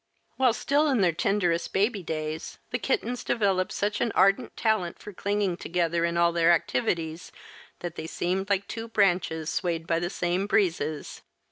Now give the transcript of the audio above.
While still in their tenderest baby days, the kittens developed such an ardent talent for clinging together in all their activities that they seemed like two branches swayed by the same breezes.